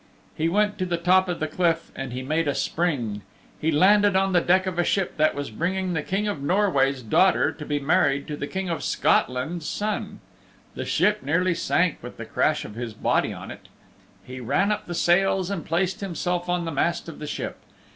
He went to the top of the cliff and he made a spring. He landed on the deck of a ship that was bringing the King of Norway's daughter to be married to the King of Scotland's son. The ship nearly sank with the crash of his body on it. He ran up the sails and placed himself on the mast of the ship.